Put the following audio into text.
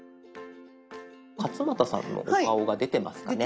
勝俣さんのお顔が出てますかね。